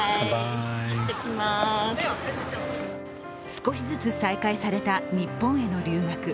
少しずつ再開された日本への留学。